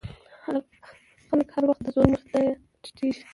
خلک هر وخت د زور مخې ته ټیټېږي.